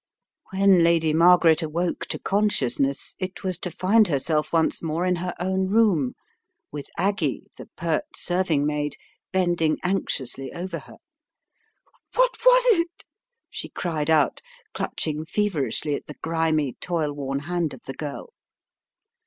When Lady Margaret awoke to consciousness, it was to find herself once more in her own room. The Cry in the Night 73 with Aggie, the pert serving maid, bending anxiously over her* "What was it?" she cried out, clutching feverishly at the grimy, toil worn hand of the girl.